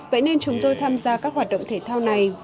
vậy nên chúng tôi tham gia các hoạt động thể thao này